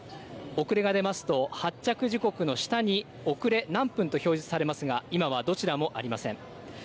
遅れが出ますと発着時刻の下に遅れ何分と表示されますが今はどちらもありません。